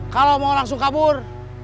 kalau mau langsung kabur